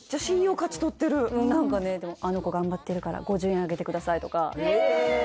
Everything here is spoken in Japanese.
何かねあの子頑張ってるから５０円上げてくださいとかへえ！